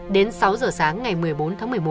đến sáu giờ sáng ngày một mươi bốn tháng một mươi một